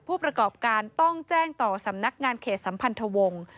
ผู้ประกอบการต้องแจ้งต่อสำนักงานเขตสัมพันธวงศ์